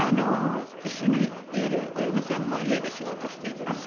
一緒にいるお嫁さんも家で仕事してるので。